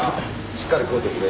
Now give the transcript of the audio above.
しっかり食うてくれ。